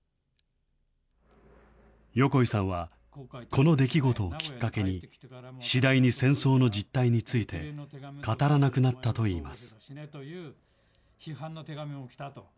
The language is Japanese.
横井さんは、この出来事をきっかけに、次第に戦争の実態について、語らなくなったといいます。